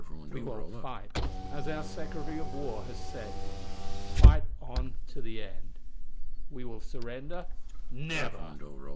"We will fight, as our Secretary of War has said fight on to the end. We will surrender never!